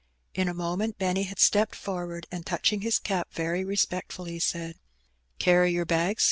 In a moment Benny had stepped forward, and touching his cap very respectfully, said — ''Carry yer bag, sir?"